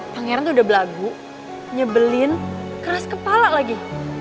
pangeran tuh udah belagu nyebelin keras kepala lagi